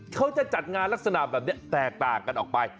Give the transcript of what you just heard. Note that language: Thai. เขาจะจัดงานลักษณะแบบนี้แตกต่างกันออกไป